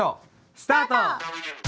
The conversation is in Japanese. スタート！